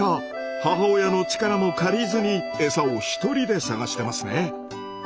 母親の力も借りずにエサを一人で探してますね。